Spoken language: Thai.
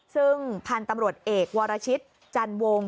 ซึ่งพันธุ์ตำรวจเอกวรชิตจันวง